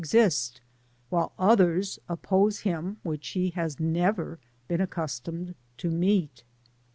285 while others oppose him which he has never been accustomed to meet.